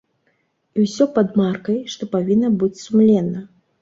І ўсё пад маркай, што павінна быць сумленна.